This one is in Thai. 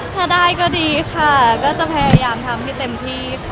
ถ้าได้ก็ดีค่ะก็จะพยายามทำให้เต็มที่ค่ะ